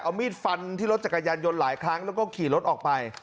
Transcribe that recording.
เอามีดฟันที่รถจักรยานยนต์หลายครั้งแล้วก็ขี่รถออกไป